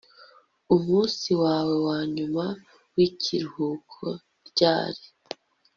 Umunsi wawe wanyuma wikiruhuko ryari